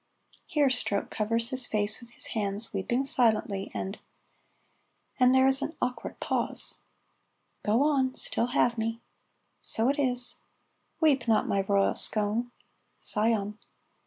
Here Stroke covers his face with his hands, weeping silently, and and there is an awkward pause. ("Go on 'Still have me.'") ("So it is.") "Weep not, my royal scone " ("Scion.")